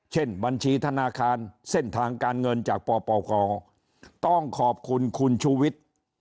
บัญชีธนาคารเส้นทางการเงินจากปปกต้องขอบคุณคุณชูวิทย์